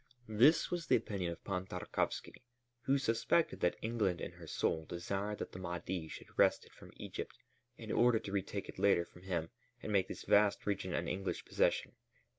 This was the opinion of Pan Tarkowski, who suspected that England in her soul desired that the Mahdi should wrest it from Egypt in order to retake it later from him and make this vast region an English possession.